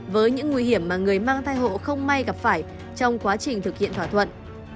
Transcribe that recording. với những nguy hiểm mà người mang thai hộ không may gặp phải trong quá trình thực hiện thỏa thuận